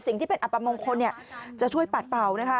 สิ่งที่เป็นอับประมงคลจะช่วยปัดเปล่า